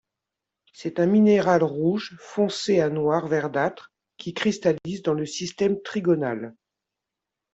C'est un minéral rouge foncé à noir verdâtre, qui cristallise dans le système trigonal.